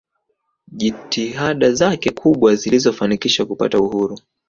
jitihada zake kubwa zilizo fanikisha kupata uhuru